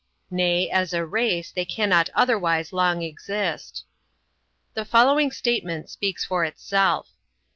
Nay, as a race, they cannot otherwise long exist. The following statement speaks for itself.